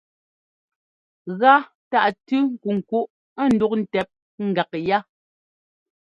Gá tâʼ tʉ́ nkunkuʼ ndúʼ ntɛp gak yá.